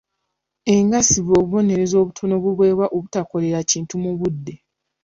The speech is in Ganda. Engassi bwe bubonerezo obutono obuweebwa olw'obutakola kintu mu budde.